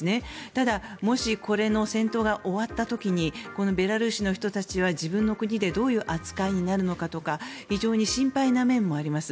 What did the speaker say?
ただ、もしこの戦闘が終わった時にこのベラルーシの人たちは自分の国でどういう扱いになるのかとか非常に心配な面もあります。